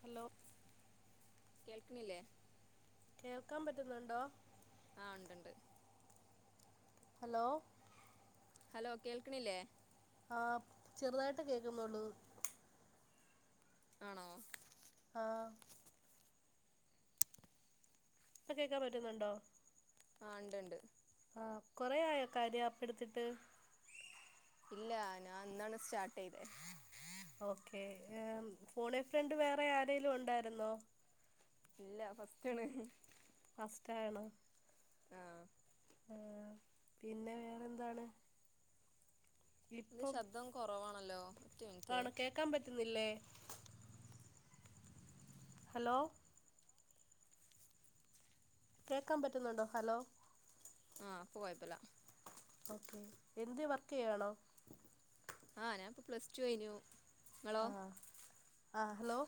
Hello കേൾക്ക്ണില്ലേ? കേൾക്കാൻ പറ്റുന്നുണ്ടോ? ആഹ് ഇണ്ട്ണ്ട് ഹലോ ഹലോ കേൾക്ക്ണില്ലേ? ആഹ് ചെറുതായിട്ട് കേൾക്കുന്നൊള്ളൂ. ആണോ? ആഹ് ഇപ്പൊ കേക്കാൻ പറ്റുന്നുണ്ടോ? ആഹ് ഇണ്ട് ഇണ്ട്. ! ! ! ! ! ! ! ! ! ! ! ഇല്ല ഞാൻ ഇന്നാണ് സ്റ്റാർട്ട് ചെയ്ത ! ! ! ! ! ! ! ! ! ! ! ! ഇല്ല ഫസ്റ്റണ് ഫസ്റ്റ് ആണോ ആഹ ആ പിന്നെ വേറെന്താണ്? ഇത് ശബ്ദം കൊറവാണല്ലോ? ആണ് കേക്കാൻ പറ്റുന്നില്ലേ ഹലോ കേക്കാൻ പറ്റുന്നുണ്ടോ ഹലോ? ആഹ് പ്പോകൊയപ്പല്ലാ ഓക്കേ എന്ത് വർക്ക് ചെയ്യാണോ? ആഹ ഞാൻ ഇപ്പോ പ്ലസ് ടു കയിഞ്ഞു ങ്ങളോ? ആഹ ഹലോ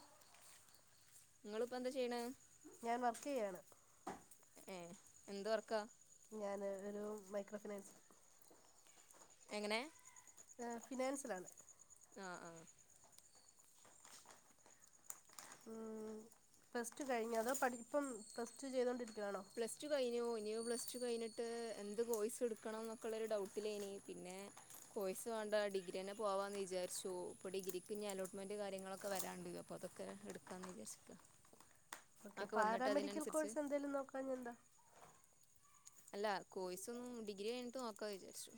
ങ്ങളിപ്പോ എന്താ ചെയ്യണ? ഞാൻ വർക്ക് ചെയ്യാണ്. ഏ എന്ത് വർക്കാ? ഞാന് ഒരു മൈക്രോ ഫിനാൻസ് എങ്ങനെ? ഫിനാൻസറാണ് ആ ആ ഉ പ്ലസ്റ്റ് കഴിഞ്ഞ അതോ പഠിപ്പം പ്ലസ് ടു ചെയ്തൊണ്ടിരിക്കുവാണോ? പ്ലസ് ടു കഴിഞ്ഞു ഇനി പ്ലസ് ടു കഴിഞ്ഞിട്ട് എന്ത് കോഴ്സ് എടുക്കണന്നൊക്കുള്ളരു ഡൗട്ടിലേനി പിന്നെ കോഴ്സ് വേണ്ട ഡിഗ്രി തന്നെ പോവാന്ന് വിചാരിച്ചു ഇപ്പൊ ഡിഗ്രിക്ക് ഇനി അലോട്ട്മെന്റ് കാര്യങ്ങളൊക്കെ വരാണ്ട് അപ്പ അതൊക്കെ എടുക്കാന്ന് വിചാരിച്ചിക്കാ ഓക്കെ പാരാമെഡിക്കൽ കോഴ്സ് എന്തെലും നോക്കാഞ്ഞെ എന്താ അല്ല കോഴ്സ് ഒന്നും ഡിഗ്രി കഴിഞ്ഞിട്ട് നോക്കാ വിചാരിച്ചു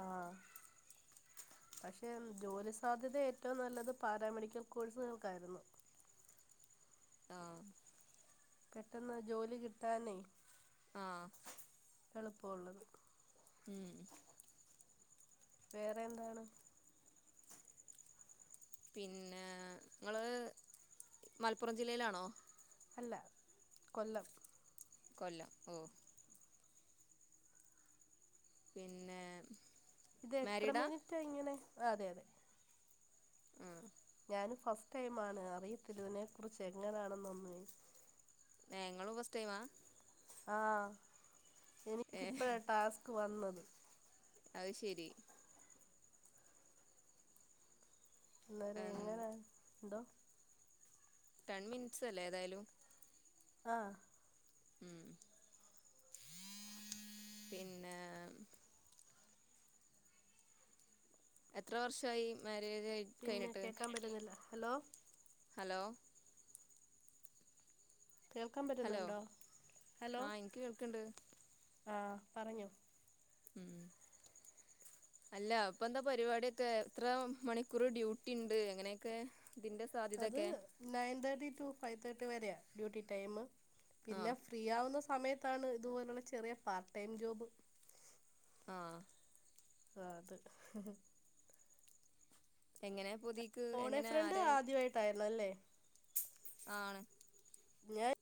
ആഹ് പക്ഷെ ജോലി സാധ്യത ഏറ്റവും നല്ലത് പാരാമെഡിക്കൽ കോഴ്സുകൾക്കായിരുന്നു ആഹ് പെട്ടെന്ന് ജോലി കിട്ടാനേ ആഹ് എളുപ്പമുള്ളത് ഉം വേറെന്താണ് പിന്നെ ഇങ്ങള് മലപ്പുറം ജില്ലേലാണോ അല്ല കൊല്ലം കൊല്ലം ഓഹ് പിന്നെ ഇത് എത്ര മാരീഡാ മിനിറ്റാ ഇങ്ങനെ അതെ അതെ ആഹ് ഞാന് ഫസ്റ്റ് ടൈമാണ് അറിയത്തില്ല ഇതിനെ കുറിച്ച് എങ്ങനാണെന്നൊന്നും ങ്ങളും ഫസ്റ്റ്ടൈമാ ! ! ! ! ! ! ! ! ! ! ഏ അയ് ശരി അന്നേരം എങ്ങനാ എന്തോ ടെൻ മിനിറ്റ്സ് അല്ലേ ഏതായാലും ആഹ് ഉം പിന്നെ എത്ര വർഷായി മാരേജ് ആയി പിന്നെ കഴിഞ്ഞിട്ട് കേക്കാൻ പറ്റുന്നില്ല ഹലോ ഹലോ കേൾക്കാൻ ഹലോ പറ്റുന്നുണ്ടോ ഹലോ ആ എനിക്ക് കേൾക്കണ്ട് ആ പറഞ്ഞോ ഉം അല്ല അപ്പ എന്താ പരിപാടിയോക്കെ എത്ര മണിക്കൂർ ഡ്യൂട്ടി ഇണ്ട് എങ്ങനെയൊക്കെ ഇതിന്റെ അത് സാധ്യതയൊക്കെ nine thirty to five thirty വരെയാ ഡ്യൂട്ടി ടൈം ആ പിന്നെ ഫ്രീ ആവുന്ന സമയത്താണ് ഇതുപോലുള്ള ചെറിയ പാർട്ട് ടൈം ജോബ് ആഹ് ആഹ് അത് എങ്ങനെയാ പൂതി ! ! ! ! ! ! ! ! ! ! ആണ് ഞാൻ ! ! ! ! ! ! ! ! ! !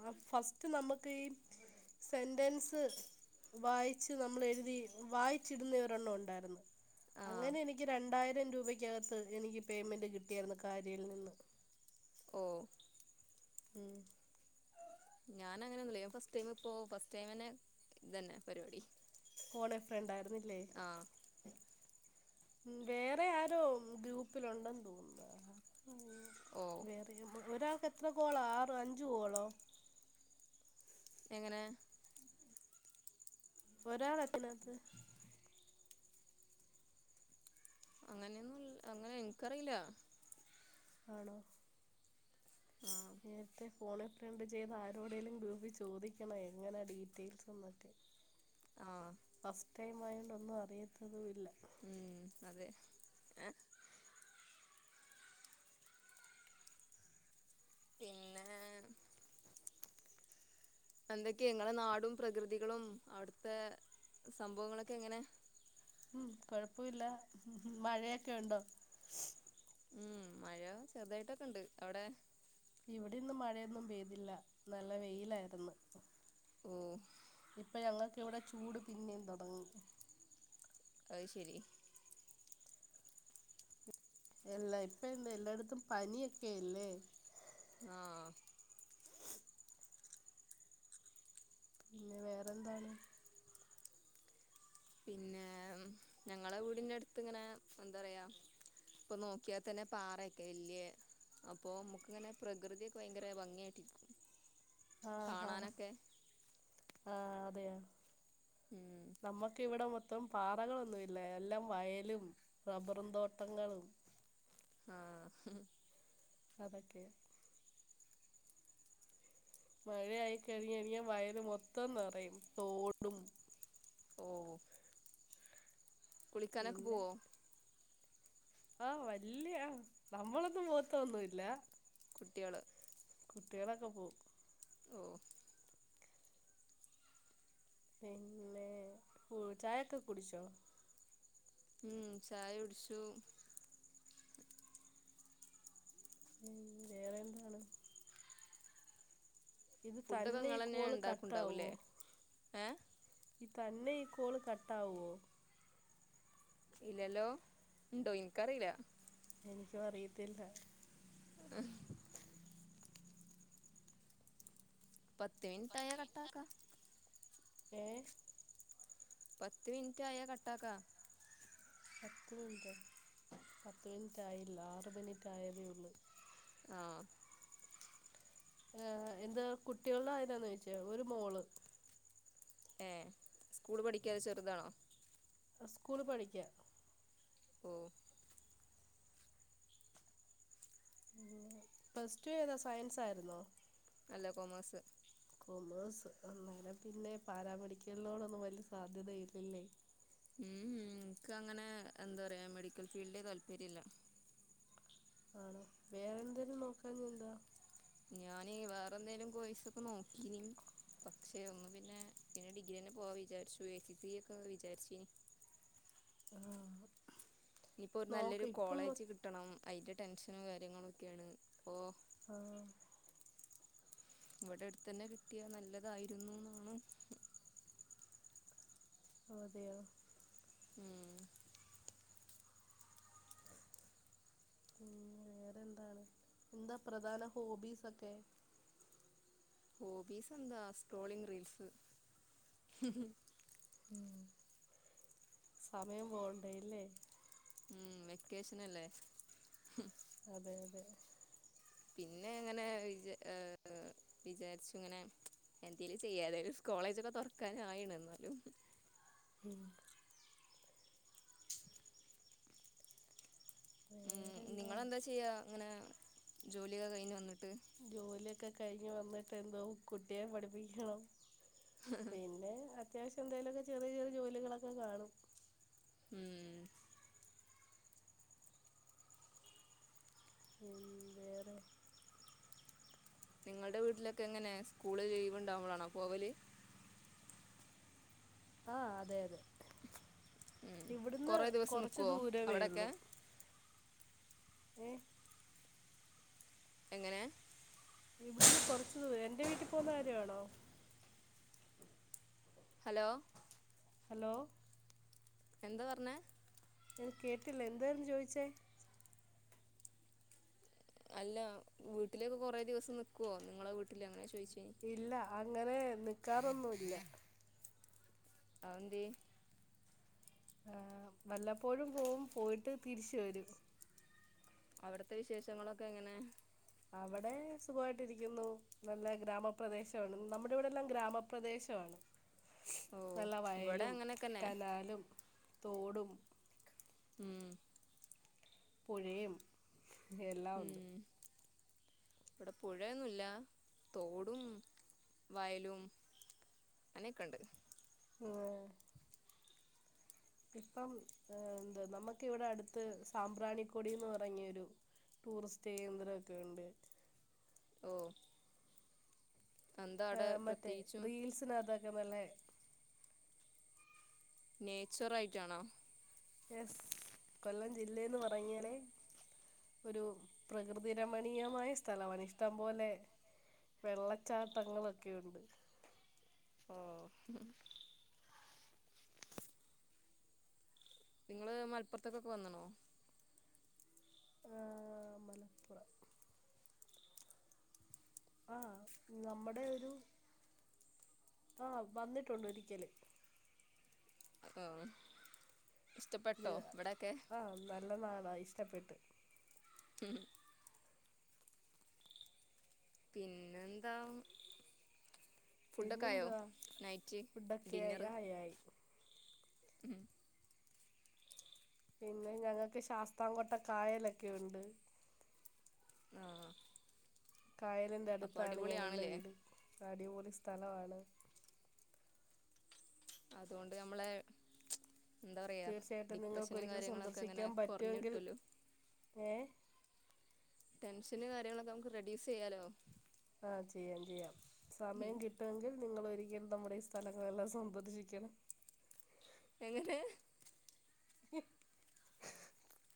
ആ ഫസ്റ്റ് നമുക്ക് ഈ സെന്റൻസ് ! ! ! ! ! ! ! ! ! ! ! ! ! ! ! ! ! ! ! ! ആ ഓഹ് ഉം ഞാൻ അങ്ങനെ ഒന്നുല്ല ഫസ്റ്റ് ടൈം ഇപ്പോ ഫസ്റ്റ് ടൈം അന്നെ ഇതന്നെ പരിപാടി ! ! ! ! ! ! ! ! ! ! ആഹ് ഉം വേറെ ആരോ ഗ്രൂപ്പിലുണ്ടെന്ന് തോന്നുന്നു ഓ ഒരാൾക്ക് എത്ര കോളോ ആറ് അഞ്ച് കോളോ എങ്ങനെ ഒരാൾ എത്ത [unintelligible] അങ്ങനെയൊന്നും അങ്ങനെ എനിക്കറിയില്ല ആണോ ആഹ് നേരത്തെ- ഫോണെ ഫ്രണ്ട് ചെയ്ത ആരോടെലും ഗ്രൂപ്പി ചോദിക്കണോ എങ്ങനെ ഡീറ്റെയിൽസ് എന്നൊക്കെ - ആഹ് ഫസ്റ്റ് ടൈം ആയൊണ്ട് ഒന്നും അറിയത്തോന്നുയില്ല ഉം അതെ പിന്നെ എന്തൊക്കെയ നിങ്ങളെ നാടും പ്രകൃതികളും അവിടുത്തെ സംഭവങ്ങളൊക്കെ എങ്ങനെ ഉം കൊഴപ്പവില്ല മഴയൊക്കെ ഒണ്ടോ ഉം മഴ ചെറുതായിട്ടൊക്കെ ഇണ്ട് അവടെ- ഇവിടെ ഇന്ന് മഴയൊന്നും പെയ്തില്ല നല്ല വെയിലായിരുന്നു ഉം ഇപ്പൊ ഞങ്ങക്ക് ഇവിടെ ചൂട് പിന്നേ തൊടങ്ങി അത് ശരി എല്ലാ ഇപ്പ എന്താ എല്ലായിടത്തും പനിയൊക്കെ അല്ലേ ആഹ് പിന്നെ വേറെ എന്താണ് പിന്നെ ഞങ്ങളെ വീടിന്റെ അടുത്ത് ഇങ്ങനെ എന്താ പറയാ- ഇപ്പൊ നോക്കിയാൽ തന്നെ പാറക്കെ വല്യ- അപ്പൊ നമുക്ക് ഇങ്ങനെ പ്രകൃതിയൊക്കെ ഭയങ്കര ഭംഗിയായിട്ടിരിക്കും ആഹ് കാണാനൊക്കെ ആഹ് അതെയൊ ഉം നമ്മക്ക് ഇവിടെ മൊ- ത്തം പാറകളൊന്നുവില്ല എല്ലാം വയലും റബ്ബറും തോട്ടങ്ങളും- ആഹ് അതൊക്കെ മഴയായി കഴിഞ്ഞ്കഴിഞ്ഞാ വയല് മൊത്തം നറയും തോടും- ഓഹ് കുളിക്കാനൊക്കെ പിന്നെ പോവോ? ആഹ് വല്യ നമ്മളൊന്നും പോവത്തൊന്നുല്ല കുട്ടികള് കുട്ടികളൊക്കെ പോവും ഓഹ് പിന്നെ ചായൊക്കെ കുടിച്ചോ ഉം ചായ കുടിച്ചു ഉം വേറെ എന്താണ്? ഫുഡൊക്കെ തന്നെ ഈ നിങ്ങളന്നെ കോള് ഉണ്ടാക്കുണ്ടാവൂല്ലേ കട്ടാവുവോ ഏ തന്നെ ഈ കോള് കട്ടാവുവോ ഇല്ലല്ലോ ഇണ്ടോ എനിക്കറിയില്ല എനിക്കും അറിയത്തില്ല എഹ് [unintelligible] പത്ത് മിനിറ്റ് ആയ കട്ടാക്കാം ഏഹ് പത്ത് മിനിറ്റ് ആയ കട്ടാക്കാം പത്ത് മിനിറ്റോ പത്ത് മിനിറ്റ് ആയില്ല ആറ് മിനിറ്റ് ആയതേ ഉള്ളൂ ആഹ് എന്താ കുട്ടികളുടെ കാര്യായാണോ ചോദിച്ചത് ഒരു മോള് ഏഹ് സ്കൂള് പഠിക്കാതൊ ചെറുതാണോ സ്കൂള് പഠിക്ക്യാ ഓഹ് പ്ലസ് ടു ഏതാ സയൻസ് ആയിരുന്നോ? അല്ല കൊമേസ് കൊമേഴ്സ് അന്നേരം പിന്നെ പാരാമെഡിക്കലിനോടൊന്നും വല്യ സാധ്യതയില്ലല്ലേ? ഉം ഉം എൻക്കങ്ങനെ എന്താറ്യാ മെഡിക്കൽ ഫീൽഡേ താല്പര്യം ഇല്ല. ആണോ വേറെന്തേലും നോക്കാഞ്ഞെന്താ? ഞാന് വേറെന്തേലും കോയ്സൊക്കെ നോക്കീനി പക്ഷെ ഒന്ന് പിന്നെ പിന്നെഡിഗ്രിന്നെ പോവാ വിചാരിച്ചു എ സി സി ഒക്കെ വിചാരിച്ചീനി ആഹ് ഇനിയിപ്പോ ഒരു നോക്ക് നല്ലൊരു ഇപ്പം മൊ കോളേജ് കിട്ടണം അയ്ന്റെ ടെൻഷനും കാര്യങ്ങളും ഒക്കെയാണ് അപ്പോ ആഹ് ഇവടെ അടുത്തതന്നെ കിട്ടിയാ നല്ലതായിരുന്നുന്നാണ്. അതെയോ? ഉം ഉം വേറെന്താണ് എന്താ പ്രധാന ഹോബീസൊക്കെ? ഹോബീസെന്താ സ്ട്രോലിങ് റീൽസ് ഉം സമയം പോവണ്ടയല്ലേ ഉം വെക്കേഷനല്ലേ ഹും അതെയതെ പിന്നെങ്ങനെ വിജ ഏഹ് വിചാരിച്ചുങ്ങനെ എന്തേലും ചെയ്യാ നെരു കോളേജൊക്കെ തൊറക്കാനായിണ് ന്നാലും ഉം ഉം വേറെന്താണ് നിങ്ങളെന്താ ചെയ്യ ഇങ്ങനെ ജോലിയൊക്കെ കഴിഞ്ഞ് വന്നിട്ട് ജോലിയൊക്കെ കഴിഞ്ഞ് വന്നിട്ട് എന്തോ കുട്ടിയെ പഠിപ്പിക്കണം. പിന്നെ അത്യാവശ്യം എന്തെലൊക്കെ ചെറിയ ചെറിയ ജോലികളൊക്കെ കാണും. ഉം പിൻ വേറെ? നിങ്ങളുടെ വീട്ടിലൊക്കെ എങ്ങനെ സ്കൂള് ലീവ് ഉണ്ടാവുമ്പഴാണോ പോവല്? ആഅതെ അതെ ഉം ഇവിട്ന്ന് കൊറേ ദിവസം കുറച്ച് നിക്കുവോ അവിടൊക്കെ ദൂരേവെയുള്ളു. എ എങ്ങനെ? ഇവിടുന്ന് കുറച്ച് ദൂരെ എന്റെ വീട്ടി പോവുന്ന കാര്യമാണോ? ഹലോ ഹലോ എന്താ പറഞ്ഞെ? ഞാൻ കേട്ടില്ല എന്തായിരുന്നു ചോദിച്ചേ? അല്ല വീട്ടിലേക്ക് കൊറെ ദിവസം നിക്കോ നിങ്ങളെ വീട്ടില് എങ്ങനെ ചോയി ചേ ഇല്ല അങ്ങനെ നിക്കാറൊന്നുല്ല. അ ഹ ന്തെ? ആ വല്ലപ്പോഴും പോവും പോയിട്ട് തിരിച്ച് വരും. അവിടത്തെ വിശേഷങ്ങളൊക്കെ എങ്ങനെ? അവിടെ സുഖായിട്ടിരിക്കുന്നു നല്ല ഗ്രാമപ്രദേശാണ് നമ്മുടെ ഇവിടെഎല്ലാം ഗ്രാമപ്രദേശമാണ്. ഓ നല്ല ഇവിടെ വയലും അങ്ങനെയൊക്കെന്നെ കനാലും തോടും. ഉം പുഴയും എല്ലാം ഉണ്ട് ഉം ഇവിടെ പുഴയൊന്നുല്ല തോടും വയലും ആനക്കണ്ട്. ആ ഇപ്പം എന്ത്‌നമക്ക് ഇവിടെ അടുത്ത് സാമ്പ്രാണിക്കൊടിന്ന് പറഞൊയൊരു ടൂറിസ്റ്റ് ഏന്ദ്രക്കെ ഉണ്ട് ഓ എന്താ ആ അവിടെ മറ്റേ പ്രത്യേകിച്ചും റീൽസ് ഇടതാ ക്കാ മറ്റ് ലെ നെയ് ചോർആയിട്ടാണോ? യെസ് കൊല്ലം ജില്ലേന്ന് പറഞ്ഞാല്. ഒരു പ്രകൃതി രമണീയമായ സ്ഥലമാണ്. ഇഷ്ടം പോലെ വെള്ളച്ചാട്ടങ്ങളൊക്കെയുണ്ട്. ഓ നിങ്ങള് മലപ്പുറത്ത്ക്കൊക്കെ വന്ന് ക്ണോ. ആ മലപ്പുറം ആ നമ്മടെ ഒരു ആ വന്നിട്ടുണ്ട് ഒരിക്കല്. അപ്പോം ഒരു ആ നല്ല നാടായി ഇഷ്ടപ്പെട്ട്. [inaudible] പിന്നെന്താ ഫുഡൊക്കെ ആയോ പിന്നെന്തുവാ നൈറ്റ് ഫുഡൊക്കെ ആയി ഡിന്നറ്. ആയി ആയി ഉം പിന്നെ ഞങ്ങൾക്ക് ശാസ്താം കൊട്ട കായലൊക്കെ യുണ്ട്. ആ കായലിൻ്റെ അപ്പൊ അടുത്താണ് ഞങ്ങളുടെ അടിപൊളിയാണല്ലേ വീട് അടിപൊളി സ്ഥലമണ്. അതോണ്ട് നമ്മളെ ന്താ പറയാ തീർച്ചയായിട്ടും ഡിപ്രഷനും നിങ്ങൾക്കൊരിക്കൽ കാര്യങ്ങളൊക്കെ അങ്ങനെ സന്ദർശിക്കാൻ കൊറഞ് പറ്റുമെങ്കിൽ കിട്ടൊ ല്ലോ. ഏ ടെൻഷനും കാര്യങ്ങളൊക്കെ നമുക്ക് റെഡ്യൂസയ്യാലോ. ആഹ് ചെയ്യാം ചെയ്യാം സമയം കി ട്ടെങ്കിൽ നിങ്ങളോരിക്കേൽ നമ്മുടെ ഈ സ്ഥലങ്ങളെല്ലാം സന്ദർശിക്കണം. എങ്ങനെ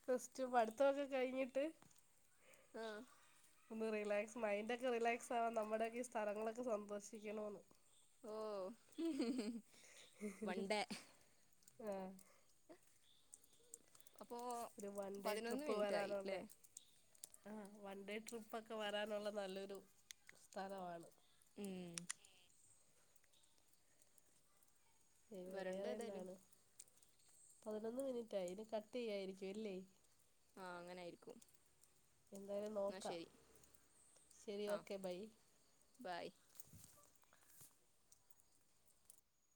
ഫസ്റ്റ് പഠിത്തോക്കെ കഴിഞ്ഞിട്ട്. ആഹ് ഒന്ന് റിലാക്സ് മൈൻഡോക്കെ റിലാക്സ് ആവാൻ നമ്മുടെയൊക്കെ ഈ സ്ഥലങ്ങളൊക്കെ സന്ദോശിക്കണോന്ന്. ഓഹ് ആഹ് അപ്പോ ഒരു വൺ ഡേ പതിനൊന്ന് ട്രിപ്പ് മിനിറ്റ് ആയി ല്ലേ വാരനാണ്ലൊ. ആഹ് വൺ ഡേ ട്രിപ്പ് ഒക്കെ വരാനുള്ള നല്ലൊരു സ്ഥലമാണ്. ഉം പിന്നെ വരണ്ട്‌ വേറെ ഏതായാലും. എന്താണ് പതിനൊന്ന് മിനിറ്റായി ഇനി കട്ട് ചെയ്യായിരികിയും ല്ലേ? ആഹ് അങ്ങനായിരിക്കും. എന്തായാലും നോക്കാം ശരി ഓക്കെ ബൈ. ബൈ